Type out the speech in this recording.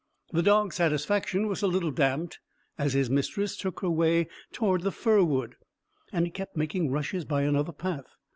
The dog's satisfaction was a little damped as his mistress took her way toward the fir wood, and he kept making rushes by another path.